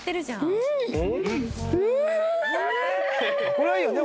これはいいよね。